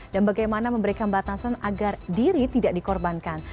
dan bagaimana memberikan batasan agar diri tidak dikorbankan